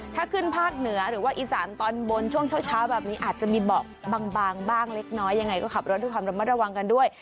ถ้าขึ้นภาคเหนือหรือว่าอีสานตอนบนช่วงเช้าแบบนี้อาจจะมีเบาะบางบ้างเล็กน้อยยังไงก็ขับรถด้วยความระมัดระวังกันด้วย